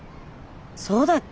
そうだっけ？